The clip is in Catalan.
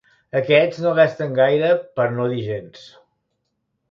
Aquests no gasten gaire, per no dir gens.